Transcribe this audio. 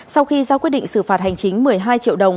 sau khi ra quyết định xử phạt hành chính một mươi hai triệu đồng